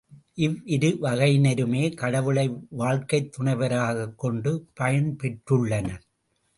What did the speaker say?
இவ்விரு வகையினருமே கடவுளை வாழ்க்கைத் துணைவராகக் கொண்டு பயன் பெற்றுள்ளனர்.